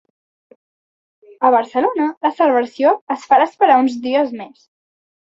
A Barcelona, la celebració es farà esperar uns dies més.